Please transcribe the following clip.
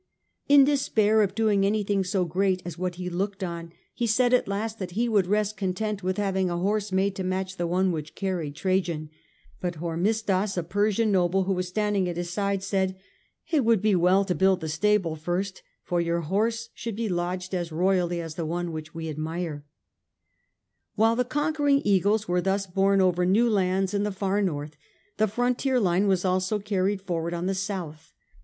In despair of doing anything so great as what he looked on, he said at last that he would rest content with having a horse made to match the one which carried Trajan, But Hormisdas, a Persian noble who was standing at his side, said, * It would be well to build the stable first, for your horse should be lodged as royally as the one which we admire.* The con While the conquering eagles were thus of borne over new lands in the far north, the frontier line was also carried forward on the south.